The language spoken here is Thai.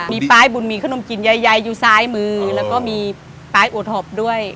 มีป้ายบุญมีขนมกินใหญ่อยู่ซ้ายมือแล้วก็มีป้ายอวดหอบด้วย